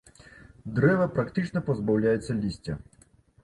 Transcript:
Дрэва практычна пазбаўляецца лісця.